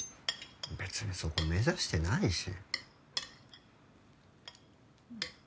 別にそこ目指してないし。